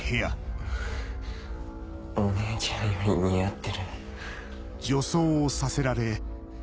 お姉ちゃんより似合ってる。